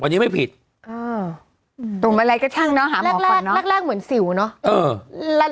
ตุ่มอะไรก็ช่างเนาะหาหมอก่อนเนาะ